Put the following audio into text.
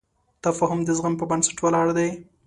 تفاهم د زغم په بنسټ ولاړ دی.